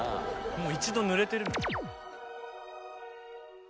もう一度濡れてる。